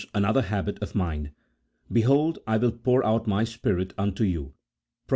another habit of mind. "Be hold I will pour out My Spirit unto you," Prov.